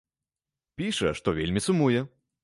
Піша, што вельмі сумуе.